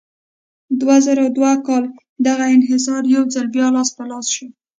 دوه زره دوه کال کې دغه انحصار یو ځل بیا لاس په لاس شو.